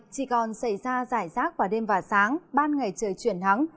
chỉ còn xảy ra giải rác vào đêm và sáng ban ngày trời chuyển nắng